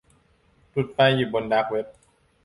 หลุดไปอยู่บนดาร์กเว็บ